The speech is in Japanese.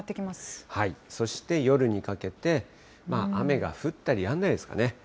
そして夜にかけて、雨が降ったりやんだりですかね。